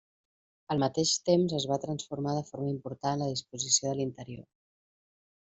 Al mateix temps es va transformar de forma important la disposició de l'interior.